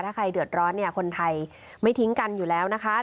ถ้าใครเดือดร้อนเนี่ยคนไทยไม่ทิ้งกันอยู่แล้วนะคะ